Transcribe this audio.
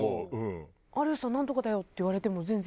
「有吉さんナントカだよ」って言われても全然？